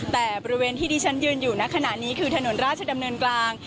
แต่บริเวณที่ที่ฉันยืนอยู่ในขณะนี้คือถนนราชดำเนินกลาง